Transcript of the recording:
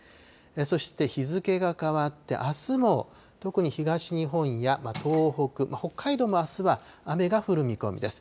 そして日付が変わってあすも、特に東日本や東北、北海道もあすは雨が降る見込みです。